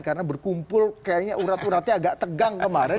karena berkumpul kayaknya urat uratnya agak tegang kemarin